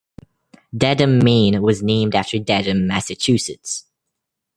Dedham, Maine, was named after Dedham, Massachusetts.